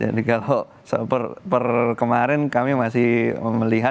jadi kalau per kemarin kami masih melihat